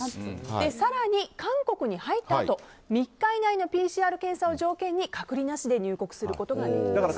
更に、韓国に入ったあと３日以内のＰＣＲ検査を条件に隔離なしで入国することができます。